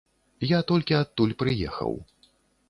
Я толькі адтуль прыехаў.